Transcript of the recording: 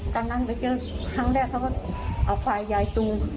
ตอนนั้นเจอครั้งแรกเขาก็เอาควายยายตรง